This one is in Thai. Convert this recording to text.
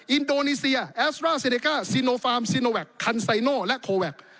อินโดนีเซียแอสตราเซเนก้าซีโนฟาร์มซีโนแวคคันไซโน่และโคแวค